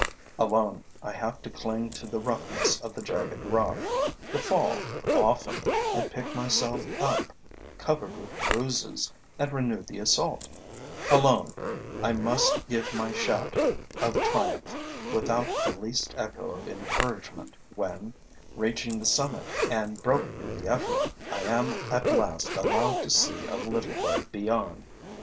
Alone, I have to cling to the roughness of the jagged rock, to fall, often, and pick myself up, covered with bruises, and renew the assault; alone, I must give my shout of triumph, without the least echo of encouragement, when, reaching the summit and broken in the effort, I am at last allowed to see a little way beyond.